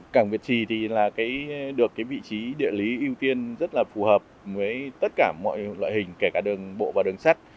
cảng việt trì thì là được vị trí địa lý ưu tiên rất là phù hợp với tất cả mọi loại hình kể cả đường bộ và đường sắt